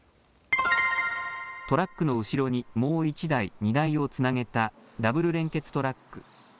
トラックの後ろにもう１台、荷台をつなげたダブル連結トラック。